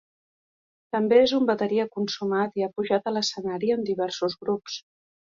També és un bateria consumat i ha pujat a l'escenari amb diversos grups.